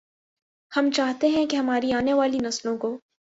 ہم چاہتے ہیں کہ ہماری آنے والی نسلوں کو